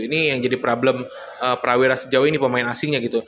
ini yang jadi problem prawira sejauh ini pemain asingnya gitu